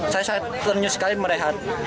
saya ternyata sekali merehat